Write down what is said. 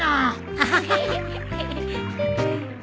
アハハハ。